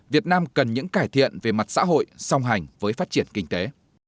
việt nam cần những cải thiện về mặt xã hội song hành với phát triển kinh tế